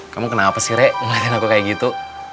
kamu kenapa sih rey ngeliatin aku kayak gitu